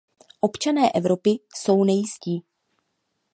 Občané Evropy jsou nejistí.